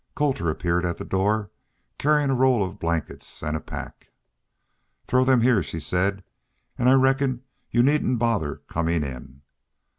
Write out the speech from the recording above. Colter appeared at the door, carrying a roll of blankets and a pack. "Throw them heah," she said. "I reckon y'u needn't bother coming in."